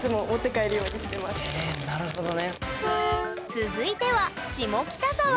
続いては下北沢。